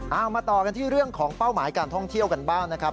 เอามาต่อกันที่เรื่องของเป้าหมายการท่องเที่ยวกันบ้างนะครับ